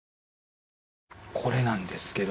これなんですけど。